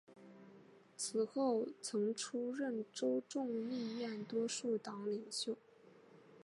此后曾出任州众议院多数党领袖。